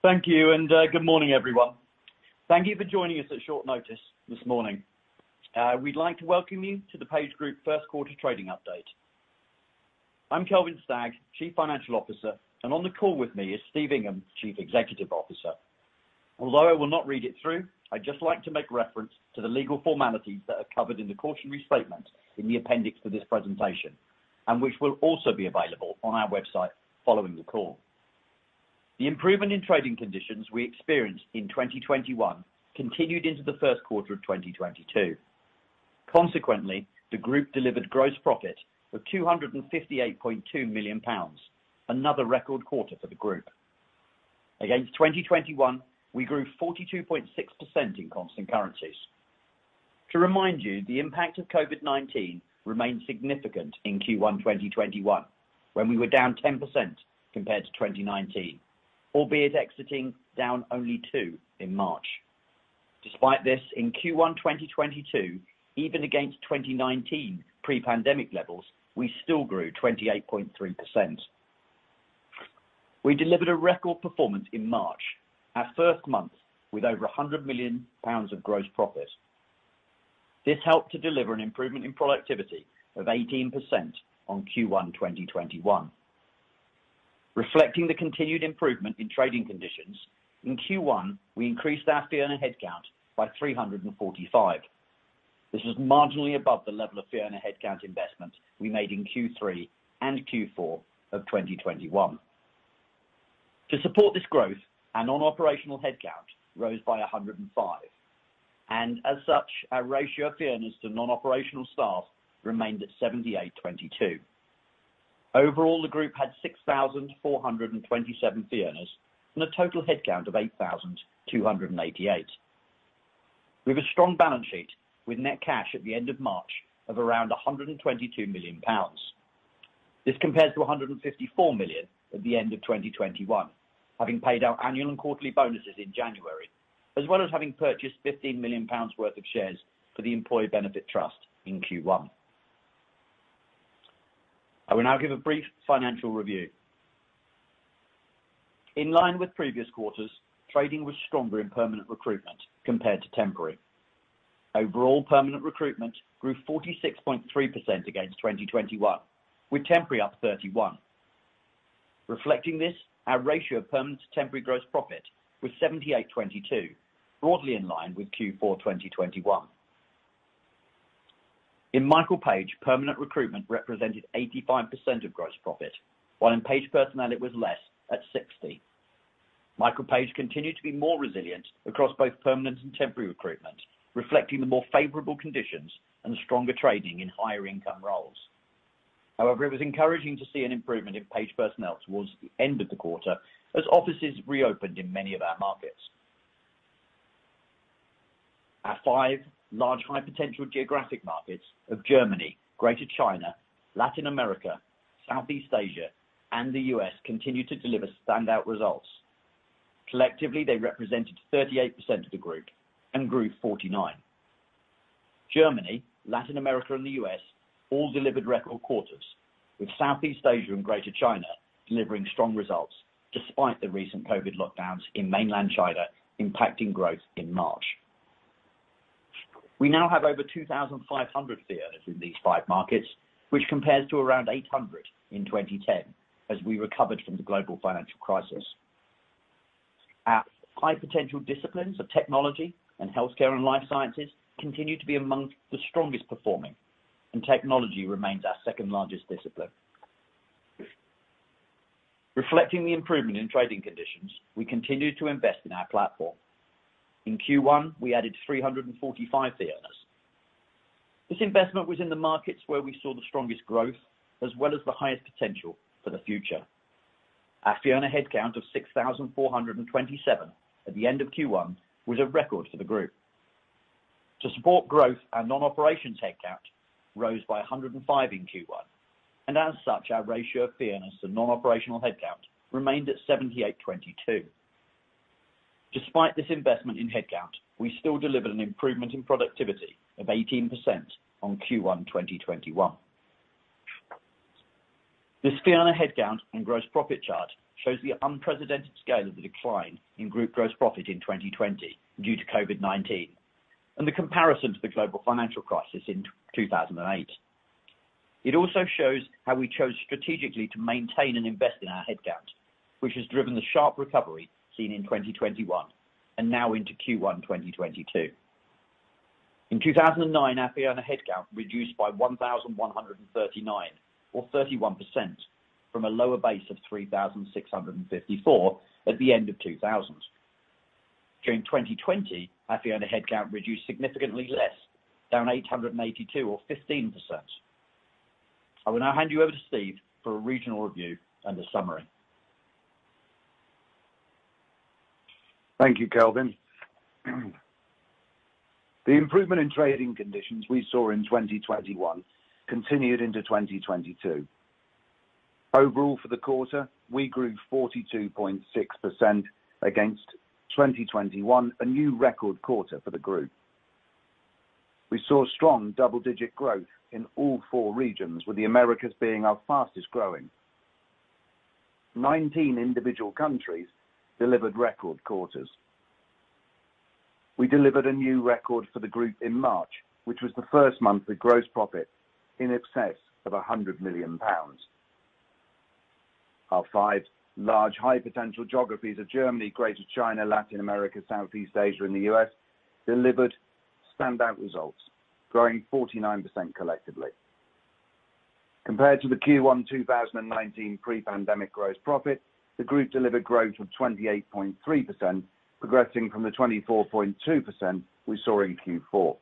Thank you and, good morning, everyone. Thank you for joining us at short notice this morning. We'd like to welcome you to the PageGroup first quarter trading update. I'm Kelvin Stagg, Chief Financial Officer, and on the call with me is Steve Ingham, Chief Executive Officer. Although I will not read it through, I'd just like to make reference to the legal formalities that are covered in the Cautionary Statement in the appendix for this presentation, and which will also be available on our website following the call. The improvement in trading conditions we experienced in 2021 continued into the first quarter of 2022. Consequently, the Group delivered gross profit of 258.2 million pounds, another record quarter for the Group. Against 2021, we grew 42.6% in constant currencies. To remind you, the impact of COVID-19 remained significant in Q1 2021, when we were down 10% compared to 2019, albeit exiting down only 2% in March. Despite this, in Q1 2022, even against 2019 pre-pandemic levels, we still grew 28.3%. We delivered a record performance in March, our first month with over 100 million pounds of gross profit. This helped to deliver an improvement in productivity of 18% on Q1 2021. Reflecting the continued improvement in trading conditions, in Q1, we increased our fee earner headcount by 345. This was marginally above the level of fee earner headcount investment we made in Q3 and Q4 of 2021. To support this growth, our non-operational headcount rose by 105, and as such, our ratio of fee earners to non-operational staff remained at 78/22. Overall, the Group had 6,427 fee earners and a total headcount of 8,288. We have a strong balance sheet with net cash at the end of March of around 122 million pounds. This compares to 154 million at the end of 2021, having paid our annual and quarterly bonuses in January, as well as having purchased 15 million pounds worth of shares for the Employee Benefit Trust in Q1. I will now give a brief financial review. In line with previous quarters, trading was stronger in permanent recruitment compared to temporary. Overall, permanent recruitment grew 46.3% against 2021, with temporary up 31%. Reflecting this, our ratio of permanent to temporary gross profit was 78/22, broadly in line with Q4 2021. In Michael Page, permanent recruitment represented 85% of gross profit, while in Page Personnel it was less, at 60%. Michael Page continued to be more resilient across both permanent and temporary recruitment, reflecting the more favorable conditions and stronger trading in higher income roles. However, it was encouraging to see an improvement in Page Personnel towards the end of the quarter as offices reopened in many of our markets. Our five large high potential geographic markets of Germany, Greater China, Latin America, Southeast Asia, and the U.S. continued to deliver standout results. Collectively, they represented 38% of the Group and grew 49%. Germany, Latin America, and the U.S. all delivered record quarters, with Southeast Asia and Greater China delivering strong results despite the recent COVID lockdowns in mainland China impacting growth in March. We now have over 2,500 fee earners in these five markets, which compares to around 800 in 2010 as we recovered from the Global Financial Crisis. Our high potential disciplines of technology and healthcare and life sciences continue to be among the strongest performing, and technology remains our second-largest discipline. Reflecting the improvement in trading conditions, we continued to invest in our platform. In Q1, we added 345 fee earners. This investment was in the markets where we saw the strongest growth as well as the highest potential for the future. Our fee earner headcount of 6,427 at the end of Q1 was a record for the Group. To support growth, our non-operational headcount rose by 105 in Q1, and as such, our ratio of fee earners to non-operational headcount remained at 78/22. Despite this investment in headcount, we still delivered an improvement in productivity of 18% on Q1 2021. This fee earner headcount and gross profit chart shows the unprecedented scale of the decline in Group gross profit in 2020 due to COVID-19 and the comparison to the Global Financial Crisis in 2008. It also shows how we chose strategically to maintain and invest in our headcount, which has driven the sharp recovery seen in 2021 and now into Q1 2022. In 2009, our fee earner headcount reduced by 1,139 or 31% from a lower base of 3,654 at the end of 2000. During 2020, our fee earner headcount reduced significantly less, down 882 or 15%. I will now hand you over to Steve for a regional review and a summary. Thank you, Kelvin. The improvement in trading conditions we saw in 2021 continued into 2022. Overall, for the quarter, we grew 42.6% against 2021, a new record quarter for the Group. We saw strong double-digit growth in all four regions, with the Americas being our fastest growing. 19 individual countries delivered record quarters. We delivered a new record for the Group in March, which was the first month of gross profit in excess of 100 million pounds. Our five large high-potential geographies of Germany, Greater China, Latin America, Southeast Asia, and the U.S. delivered standout results, growing 49% collectively. Compared to the Q1 2019 pre-pandemic gross profit, the Group delivered growth of 28.3%, progressing from the 24.2% we saw in Q4.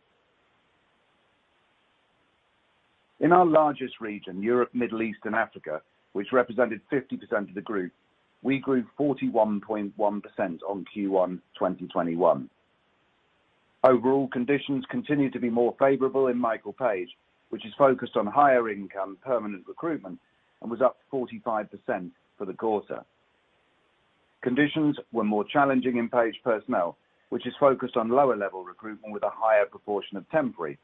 In our largest region, Europe, Middle East and Africa, which represented 50% of the Group, we grew 41.1% on Q1 2021. Overall conditions continued to be more favorable in Michael Page, which is focused on higher income permanent recruitment and was up 45% for the quarter. Conditions were more challenging in Page Personnel, which is focused on lower-level recruitment with a higher proportion of temporary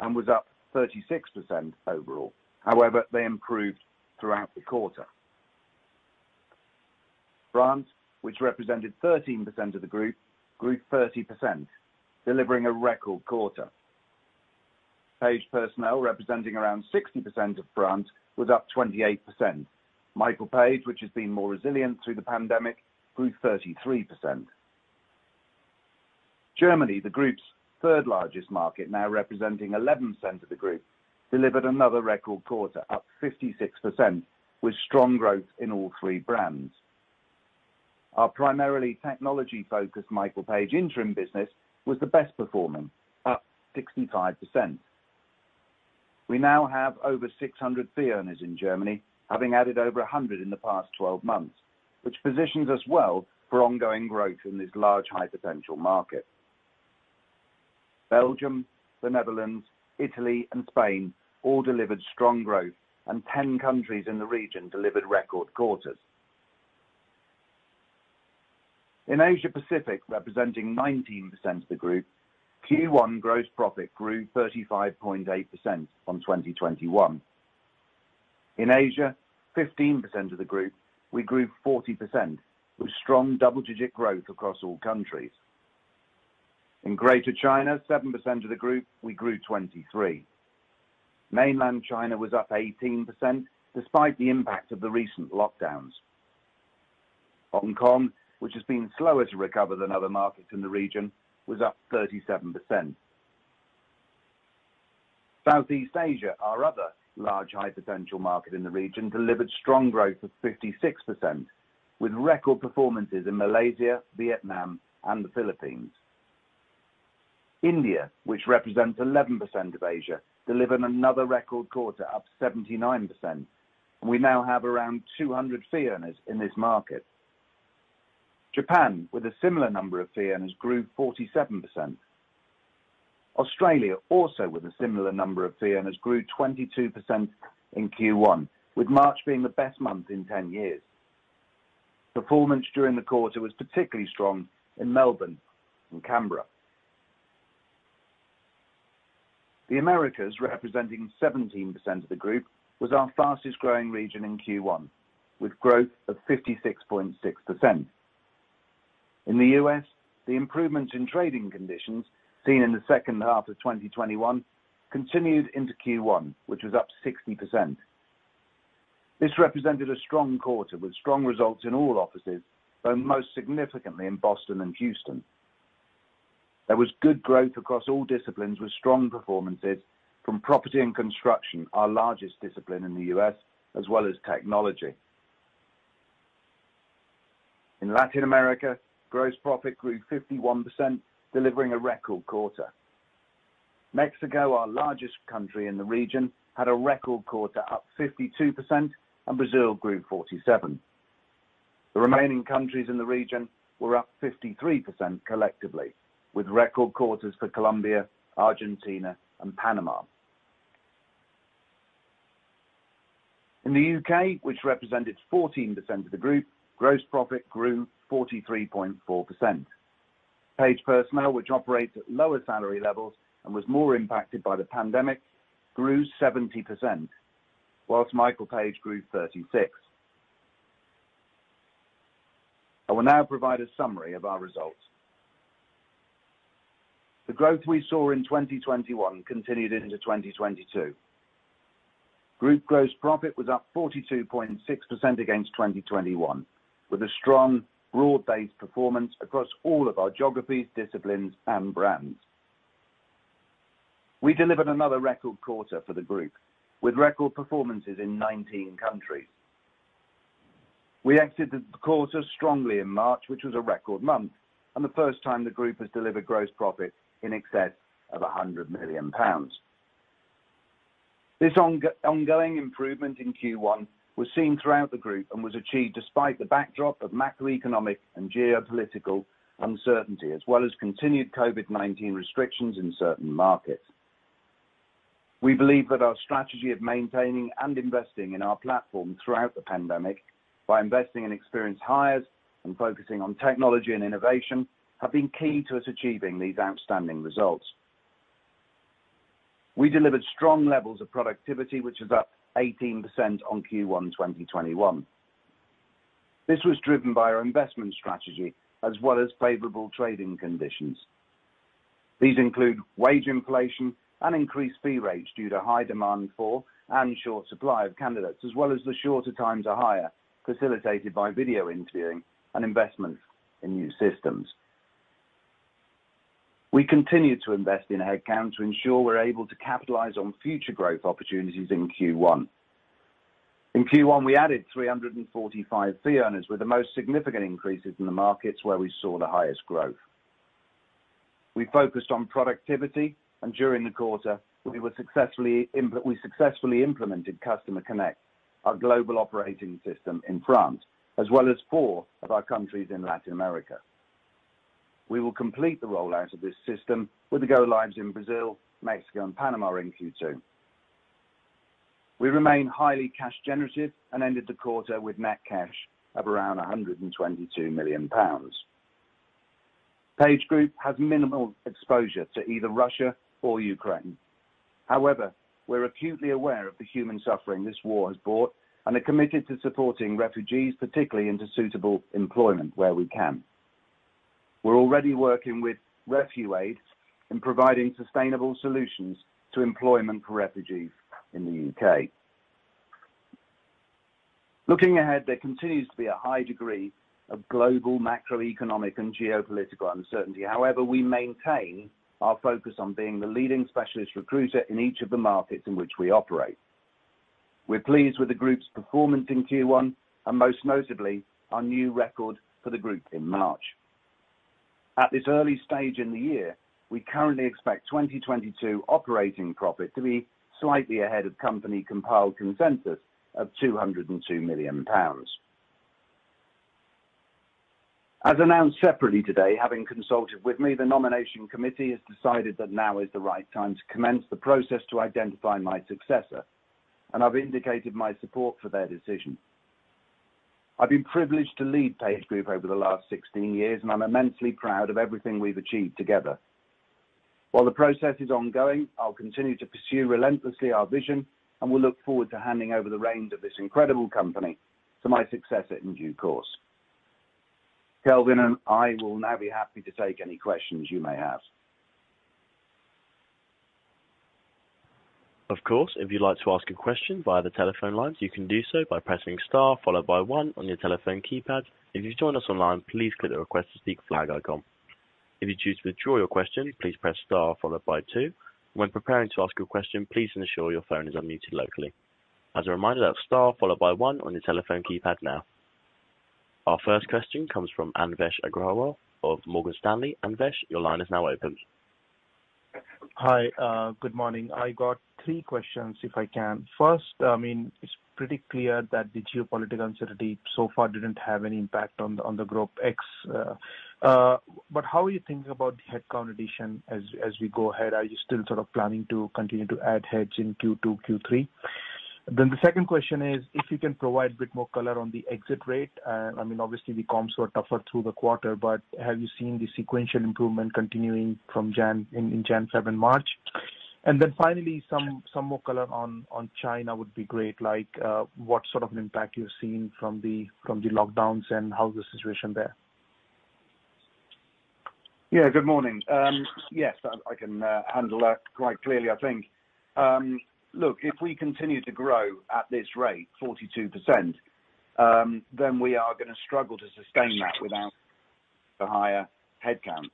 and was up 36% overall. However, they improved throughout the quarter. France, which represented 13% of the Group, grew 30%, delivering a record quarter. Page Personnel, representing around 60% of France, was up 28%. Michael Page, which has been more resilient through the pandemic, grew 33%. Germany, the Group's third-largest market, now representing 11% of the Group, delivered another record quarter, up 56%, with strong growth in all three brands. Our primarily technology-focused Michael Page Interim business was the best performing, up 65%. We now have over 600 fee earners in Germany, having added over 100 in the past 12 months, which positions us well for ongoing growth in this large high-potential market. Belgium, the Netherlands, Italy and Spain all delivered strong growth, and 10 countries in the region delivered record quarters. In Asia Pacific, representing 19% of the Group, Q1 gross profit grew 35.8% from 2021. In Asia, 15% of the Group, we grew 40% with strong double-digit growth across all countries. In Greater China, 7% of the Group, we grew 23%. Mainland China was up 18% despite the impact of the recent lockdowns. Hong Kong, which has been slower to recover than other markets in the region, was up 37%. Southeast Asia, our other large high-potential market in the region, delivered strong growth of 56%, with record performances in Malaysia, Vietnam and the Philippines. India, which represents 11% of Asia, delivered another record quarter, up 79%, and we now have around 200 fee earners in this market. Japan, with a similar number of fee earners, grew 47%. Australia, also with a similar number of fee earners, grew 22% in Q1, with March being the best month in 10 years. Performance during the quarter was particularly strong in Melbourne and Canberra. The Americas, representing 17% of the Group, was our fastest growing region in Q1, with growth of 56.6%. In the U.S., the improvements in trading conditions seen in the second half of 2021 continued into Q1, which was up 60%. This represented a strong quarter with strong results in all offices, though most significantly in Boston and Houston. There was good growth across all disciplines with strong performances from property and construction, our largest discipline in the U.S., as well as technology. In Latin America, gross profit grew 51%, delivering a record quarter. Mexico, our largest country in the region, had a record quarter up 52%, and Brazil grew 47%. The remaining countries in the region were up 53% collectively, with record quarters for Colombia, Argentina and Panama. In the U.K., which represented 14% of the Group, gross profit grew 43.4%. Page Personnel, which operates at lower salary levels and was more impacted by the pandemic, grew 70%, while Michael Page grew 36%. I will now provide a summary of our results. The growth we saw in 2021 continued into 2022. Group gross profit was up 42.6% against 2021, with a strong broad-based performance across all of our geographies, disciplines and brands. We delivered another record quarter for the group with record performances in 19 countries. We exited the quarter strongly in March, which was a record month and the first time the Group has delivered gross profit in excess of 100 million pounds. This ongoing improvement in Q1 was seen throughout the Group and was achieved despite the backdrop of macroeconomic and geopolitical uncertainty, as well as continued COVID-19 restrictions in certain markets. We believe that our strategy of maintaining and investing in our platform throughout the pandemic by investing in experienced hires and focusing on technology and innovation have been key to us achieving these outstanding results. We delivered strong levels of productivity, which is up 18% on Q1 2021. This was driven by our investment strategy as well as favorable trading conditions. These include wage inflation and increased fee rates due to high demand for and short supply of candidates, as well as the shorter time to hire, facilitated by video interviewing and investments in new systems. We continue to invest in headcount to ensure we're able to capitalize on future growth opportunities in Q1. In Q1, we added 345 fee earners, with the most significant increases in the markets where we saw the highest growth. We focused on productivity, and during the quarter we successfully implemented Customer Connect, our global operating system in France, as well as four of our countries in Latin America. We will complete the rollout of this system with the go lives in Brazil, Mexico and Panama in Q2. We remain highly cash generative and ended the quarter with net cash of around 122 million pounds. PageGroup has minimal exposure to either Russia or Ukraine. However, we're acutely aware of the human suffering this war has brought and are committed to supporting refugees, particularly into suitable employment where we can. We're already working with RefuAid in providing sustainable solutions to employment for refugees in the U.K. Looking ahead, there continues to be a high degree of global macroeconomic and geopolitical uncertainty. However, we maintain our focus on being the leading specialist recruiter in each of the markets in which we operate. We're pleased with the Group's performance in Q1 and most notably, our new record for the Group in March. At this early stage in the year, we currently expect 2022 operating profit to be slightly ahead of company-compiled consensus of GBP 202 million. As announced separately today, having consulted with me, the nomination committee has decided that now is the right time to commence the process to identify my successor, and I've indicated my support for their decision. I've been privileged to lead PageGroup over the last 16 years, and I'm immensely proud of everything we've achieved together. While the process is ongoing, I'll continue to pursue relentlessly our vision, and will look forward to handing over the reins of this incredible company to my successor in due course. Kelvin and I will now be happy to take any questions you may have. Of course, if you'd like to ask a question via the telephone lines, you can do so by pressing star followed by one on your telephone keypad. If you've joined us online, please click the Request to Speak flag icon. If you choose to withdraw your question, please press star followed by two. When preparing to ask your question, please ensure your phone is unmuted locally. As a reminder, that's star followed by one on your telephone keypad now. Our first question comes from Anvesh Agrawal of Morgan Stanley. Anvesh, your line is now open. Hi. Good morning. I got three questions, if I can. First, I mean, it's pretty clear that the geopolitical uncertainty so far didn't have any impact on the Group. But how are you thinking about headcount addition as we go ahead? Are you still sort of planning to continue to add heads in Q2, Q3? The second question is if you can provide a bit more color on the exit rate. I mean, obviously the comps were tougher through the quarter, but have you seen the sequential improvement continuing from January, February and March? Finally, some more color on China would be great. What sort of an impact you're seeing from the lockdowns and how's the situation there? Yeah, good morning. Yes, I can handle that quite clearly I think. Look, if we continue to grow at this rate, 42%, then we are gonna struggle to sustain that without the higher headcount.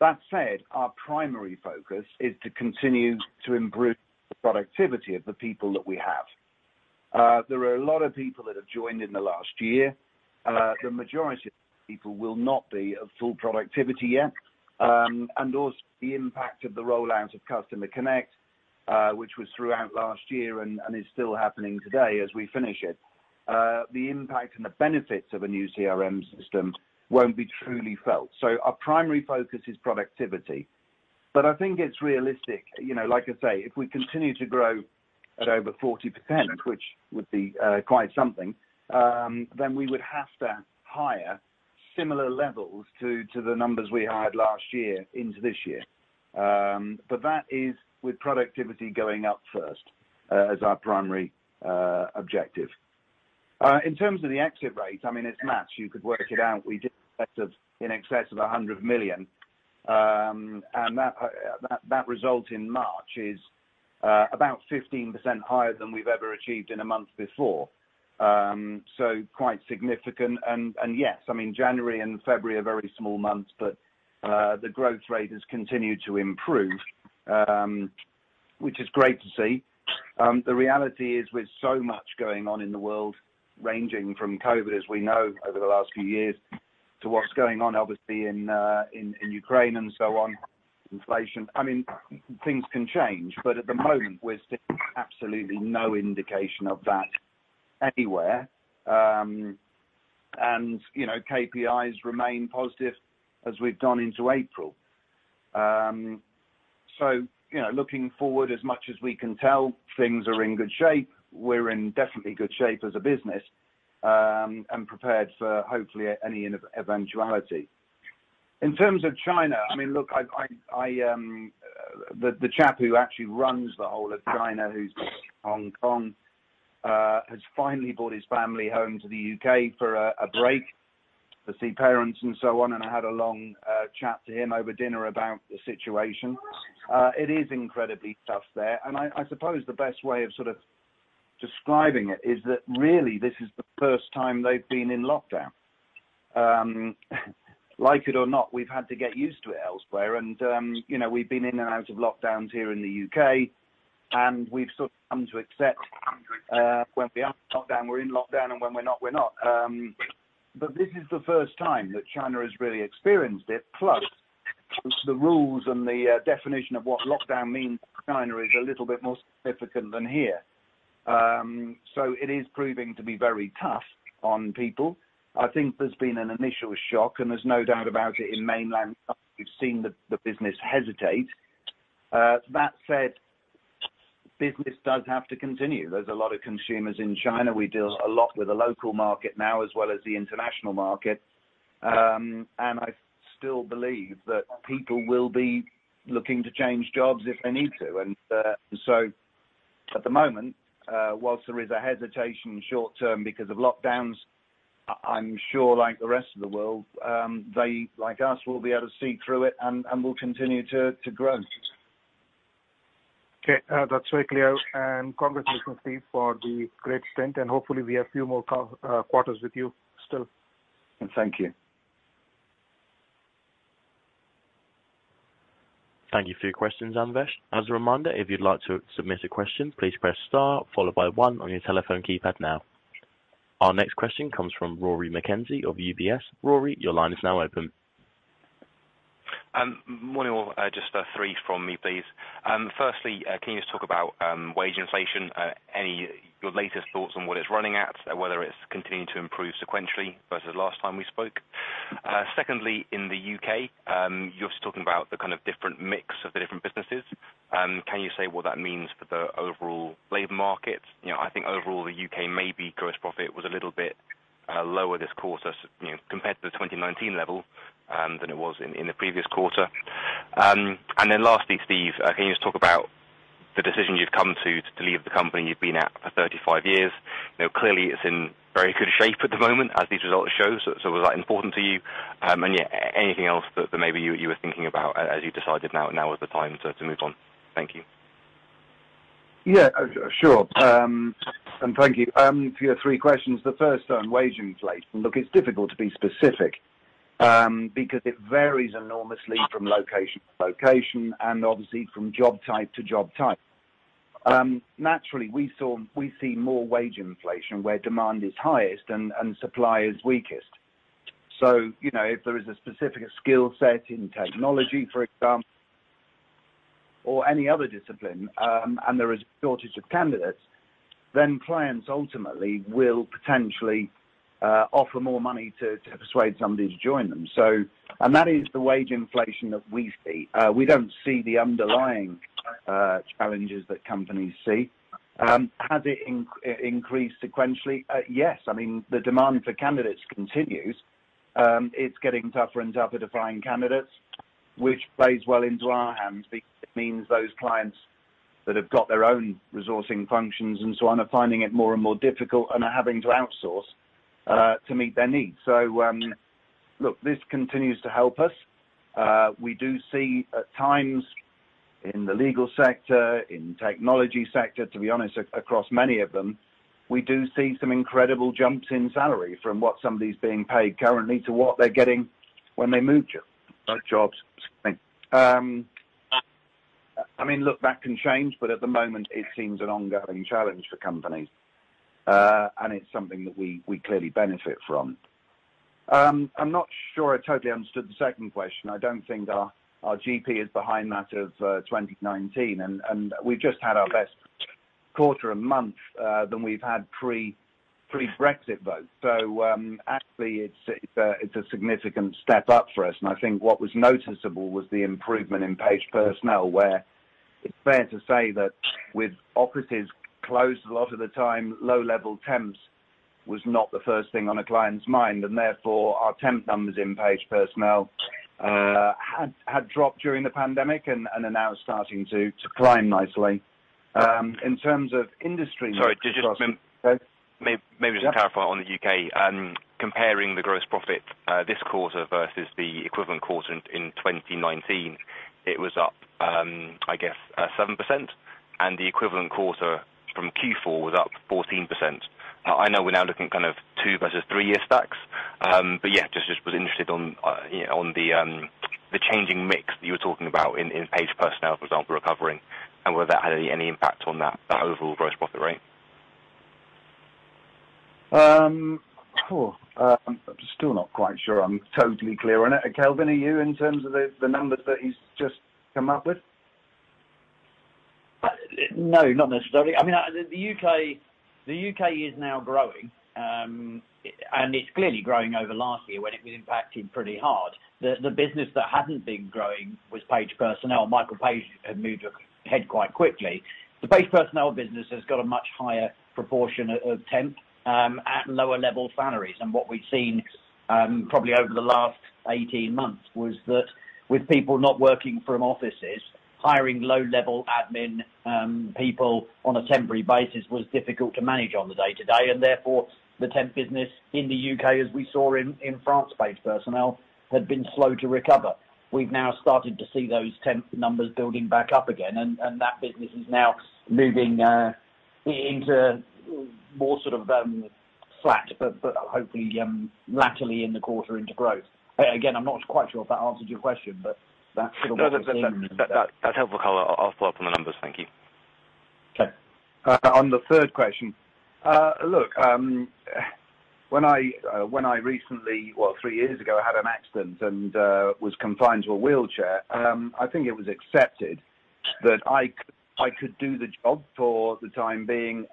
That said, our primary focus is to continue to improve the productivity of the people that we have. There are a lot of people that have joined in the last year. The majority of people will not be at full productivity yet. Also the impact of the rollout of Customer Connect, which was throughout last year and is still happening today as we finish it. The impact and the benefits of a new CRM system won't be truly felt. Our primary focus is productivity. I think it's realistic, you know, like I say, if we continue to grow at over 40%, which would be quite something, then we would have to hire similar levels to the numbers we hired last year into this year. That is with productivity going up first as our primary objective. In terms of the exit rate, I mean, it's math. You could work it out. We did in excess of 100 million. That result in March is about 15% higher than we've ever achieved in a month before so quite significant. Yes, I mean, January and February are very small months, but the growth rate has continued to improve, which is great to see. The reality is with so much going on in the world, ranging from COVID, as we know over the last few years, to what's going on obviously in Ukraine and so on, inflation. I mean, things can change. At the moment, we're seeing absolutely no indication of that anywhere. You know, KPIs remain positive as we've gone into April. You know, looking forward, as much as we can tell, things are in good shape. We're definitely in good shape as a business, and prepared for hopefully any eventuality. In terms of China, I mean, look, I, the chap who actually runs the whole of China, who's in Hong Kong, has finally brought his family home to the U.K. for a break to see parents and so on. I had a long chat to him over dinner about the situation. It is incredibly tough there, and I suppose the best way of sort of describing it is that really, this is the first time they've been in lockdown. Like it or not, we've had to get used to it elsewhere and, you know, we've been in and out of lockdowns here in the U.K., and we've sort of come to accept when we are in lockdown, we're in lockdown, and when we're not, we're not. This is the first time that China has really experienced it, plus the rules and the definition of what lockdown means in China is a little bit more significant than here. It is proving to be very tough on people. I think there's been an initial shock, and there's no doubt about it. In mainland China, we've seen the business hesitate. That said, business does have to continue. There's a lot of consumers in China. We deal a lot with the local market now as well as the international market. I still believe that people will be looking to change jobs if they need to. At the moment, whilst there is a hesitation short term because of lockdowns, I'm sure like the rest of the world, they, like us, will be able to see through it and will continue to grow. Okay. That's very clear. Congratulations, Steve, for the great strength, and hopefully we have a few more quarters with you still. Thank you. Thank you for your questions, Anvesh. As a reminder, if you'd like to submit a question, please press star followed by one on your telephone keypad now. Our next question comes from Rory McKenzie of UBS. Rory, your line is now open. Morning all. Just three from me, please. Firstly, can you just talk about wage inflation? Any. Your latest thoughts on what it's running at, whether it's continuing to improve sequentially versus last time we spoke. Secondly, in the U.K., you're talking about the kind of different mix of the different businesses. Can you say what that means for the overall labor market? You know, I think overall the U.K. maybe gross profit was a little bit lower this quarter, you know, compared to the 2019 level, than it was in the previous quarter. Lastly, Steve, can you just talk about the decision you've come to to leave the company you've been at for 35 years? You know, clearly it's in very good shape at the moment as these results show. Was that important to you? Yeah, anything else that maybe you were thinking about as you decided now is the time to move on? Thank you. Sure. Thank you for your three questions, the first on wage inflation. Look, it's difficult to be specific because it varies enormously from location to location and obviously from job type to job type. We see more wage inflation where demand is highest and supply is weakest. You know, if there is a specific skill set in technology, for example, or any other discipline, and there is shortage of candidates, then clients ultimately will potentially offer more money to persuade somebody to join them. That is the wage inflation that we see. We don't see the underlying challenges that companies see. Has it increased sequentially? Yes. I mean, the demand for candidates continues. It's getting tougher and tougher to find candidates, which plays well into our hands because it means those clients that have got their own resourcing functions and so on are finding it more and more difficult and are having to outsource to meet their needs. Look, this continues to help us. We do see at times in the legal sector, in technology sector, to be honest, across many of them, we do see some incredible jumps in salary from what somebody's being paid currently to what they're getting when they move jobs. Excuse me. I mean, look, that can change, but at the moment it seems an ongoing challenge for companies, and it's something that we clearly benefit from. I'm not sure I totally understood the second question. I don't think our GP is behind that of 2019 and we've just had our best quarter and month than we've had pre-Brexit vote. Actually, it's a significant step up for us, and I think what was noticeable was the improvement in Page Personnel where it's fair to say that with offices closed a lot of the time, low-level temps was not the first thing on a client's mind, and therefore our temp numbers in Page Personnel had dropped during the pandemic and are now starting to climb nicely. In terms of industry- Sorry. Just clarify on the U.K. Comparing the gross profit, this quarter versus the equivalent quarter in 2019, it was up, I guess, 7% and the equivalent quarter from Q4 was up 14%. I know we're now looking kind of two versus three-year stacks. Yeah, just was interested on, you know, on the changing mix that you were talking about in Page Personnel, for example, recovering and whether that had any impact on that, the overall gross profit rate. I'm still not quite sure I'm totally clear on it. Kelvin, are you in terms of the numbers that he's just come up with? No, not necessarily. I mean, the U.K. is now growing, and it's clearly growing over last year when it was impacted pretty hard. The business that hadn't been growing was Page Personnel. Michael Page had moved ahead quite quickly. The Page Personnel business has got a much higher proportion of temp at lower level salaries. What we've seen probably over the last 18 months was that with people not working from offices, hiring low-level admin people on a temporary basis was difficult to manage on the day-to-day, and therefore the temp business in the U.K., as we saw in France, Page Personnel had been slow to recover. We've now started to see those temp numbers building back up again and that business is now moving into more sort of flat, but hopefully later in the quarter into growth. Again, I'm not quite sure if that answered your question, but that's. No, that's helpful color. I'll follow up on the numbers. Thank you. Okay. On the third question. Look, well, three years ago, I had an accident and was confined to a wheelchair. I think it was accepted that I could do the job for the time being,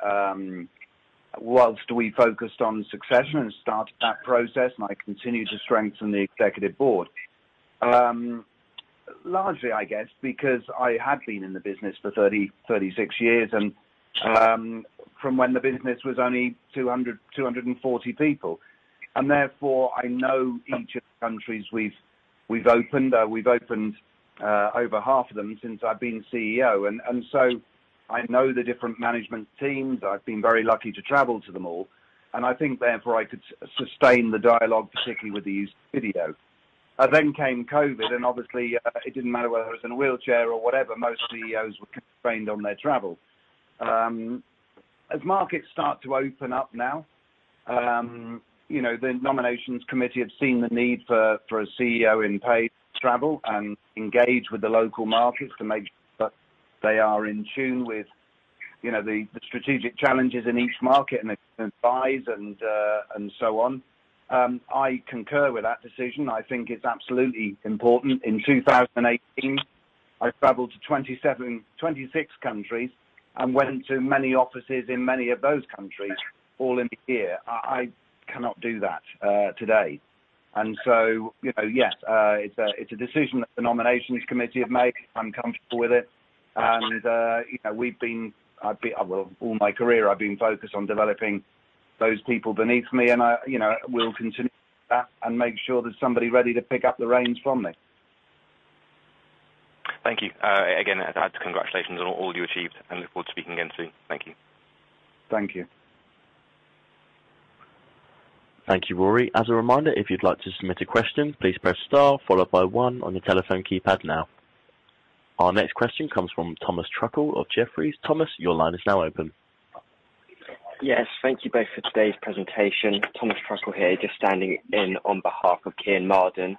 whilst we focused on succession and started that process, and I continued to strengthen the executive board. Largely, I guess, because I had been in the business for 36 years and, from when the business was only 200, 240 people. Therefore, I know each of the countries we've opened. We've opened over half of them since I've been CEO. So, I know the different management teams. I've been very lucky to travel to them all. I think therefore I could sustain the dialogue, particularly with the use of video. Then came COVID, and obviously, it didn't matter whether I was in a wheelchair or whatever, most CEOs were constrained on their travel. As markets start to open up now, you know, the nomination committee have seen the need for a CEO in Page to travel and engage with the local markets to make sure that they are in tune with, you know, the strategic challenges in each market and advise and so on. I concur with that decision. I think it's absolutely important. In 2018, I traveled to 26 countries and went into many offices in many of those countries all in a year. I cannot do that today. You know, yes, it's a decision that the nomination committee have made. I'm comfortable with it. Well, all my career, I've been focused on developing those people beneath me, and I, you know, will continue to do that and make sure there's somebody ready to pick up the reins from me. Thank you. Again, congratulations on all you achieved, and look forward to speaking again soon. Thank you. Thank you. Thank you, Rory. As a reminder, if you'd like to submit a question, please press star followed by one on your telephone keypad now. Our next question comes from Thomas Truckle of Jefferies. Thomas, your line is now open. Yes. Thank you both for today's presentation. Thomas Truckle here, just standing in on behalf of Kean Marden.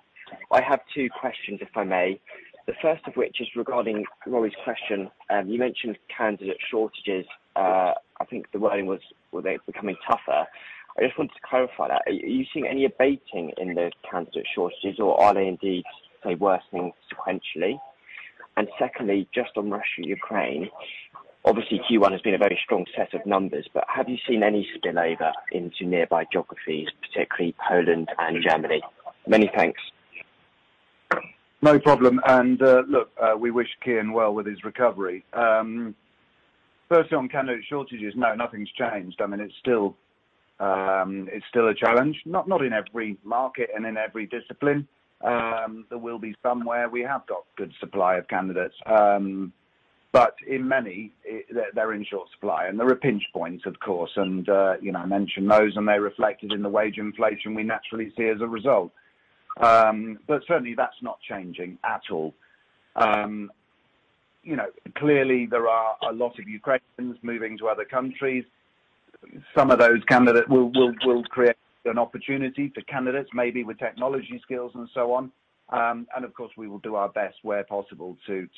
I have two questions, if I may. The first of which is regarding Rory's question. You mentioned candidate shortages. I think the wording was it becoming tougher? I just wanted to clarify that. Are you seeing any abating in those candidate shortages or are they indeed, say, worsening sequentially? Secondly, just on Russia, Ukraine, obviously Q1 has been a very strong set of numbers, but have you seen any spillover into nearby geographies, particularly Poland and Germany? Many thanks. No problem. Look, we wish Kean well with his recovery. First on candidate shortages, no, nothing's changed. I mean, it's still a challenge. Not in every market and in every discipline. There will be somewhere we have got good supply of candidates. In many, they're in short supply. There are pinch points, of course. You know, I mentioned those and they're reflected in the wage inflation we naturally see as a result. Certainly that's not changing at all. You know, clearly there are a lot of Ukrainians moving to other countries. Some of those candidates will create an opportunity for candidates, maybe with technology skills and so on. Of course, we will do our best where possible to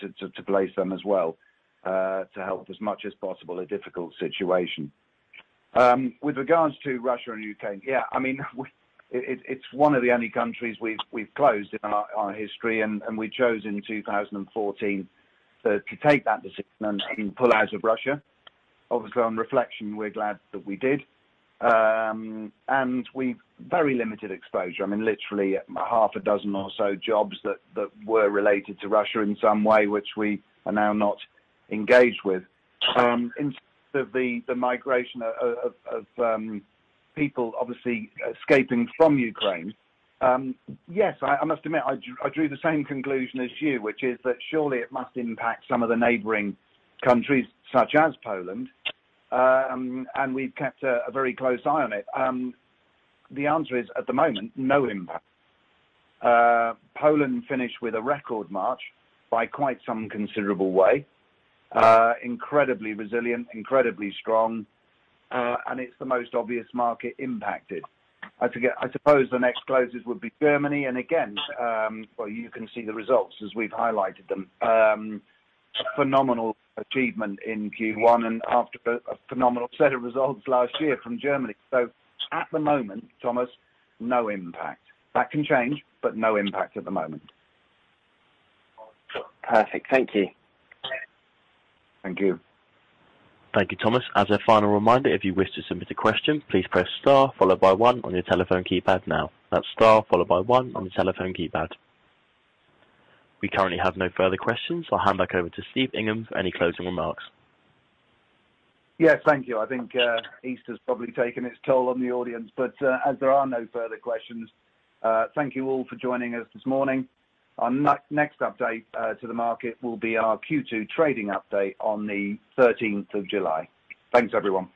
place them as well, to help as much as possible a difficult situation. With regards to Russia and Ukraine, yeah, I mean, it's one of the only countries we've closed in our history and we chose in 2014 to take that decision and pull out of Russia. Obviously, on reflection, we're glad that we did. We've very limited exposure. I mean, literally six or so jobs that were related to Russia in some way, which we are now not engaged with. In terms of the migration of people obviously escaping from Ukraine, yes, I must admit, I drew the same conclusion as you, which is that surely it must impact some of the neighboring countries such as Poland, and we've kept a very close eye on it. The answer is, at the moment, no impact. Poland finished with a record March by quite some considerable way. Incredibly resilient, incredibly strong, and it's the most obvious market impacted. I forget. I suppose the next closest would be Germany. Well, you can see the results as we've highlighted them. Phenomenal achievement in Q1 and after a phenomenal set of results last year from Germany. At the moment, Thomas, no impact. That can change, but no impact at the moment. Perfect. Thank you. Thank you. Thank you, Thomas. As a final reminder, if you wish to submit a question, please press star followed by one on your telephone keypad now. That's star followed by one on your telephone keypad. We currently have no further questions. I'll hand back over to Steve Ingham for any closing remarks. Yes, thank you. I think Easter has probably taken its toll on the audience. As there are no further questions, thank you all for joining us this morning. Our next update to the market will be our Q2 trading update on the 13th of July. Thanks, everyone.